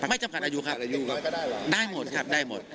ไม่จำกัดอายุครับได้หมดครับได้หมด